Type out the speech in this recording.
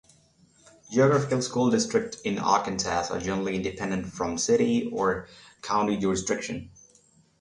Geographical school districts in Arkansas are generally independent from city or county jurisdiction.